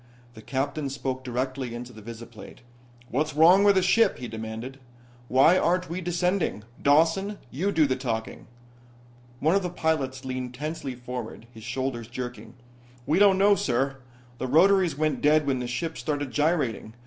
The captain spoke directly into the visiplate. "What's wrong with the ship?" he demanded. "Why aren't we descending? Dawson, you do the talking!" One of the pilots leaned tensely forward, his shoulders jerking. "We don't know, sir. The rotaries went dead when the ship started gyrating.